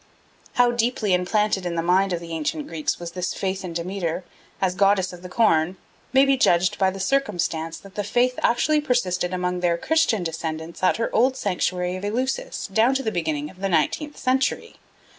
How deeply implanted in the mind of the ancient Greeks was this faith in Demeter as goddess of the corn may be judged by the circumstance that the faith actually persisted among their Christian descendants at her old sanctuary of Eleusis down to the beginning of the nineteenth century.